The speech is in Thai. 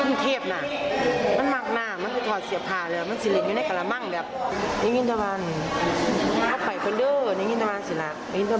อีงสิเวียต่างพอไปคุณเด้ออีงสิเวียต่าง